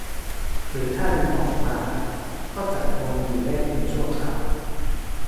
หรือถ้าดึงออกมาก็จะคงอยู่ได้เพียงชั่วคราว